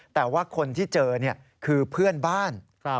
แต่ว่าคนที่เจอคือเพื่อนบ้าน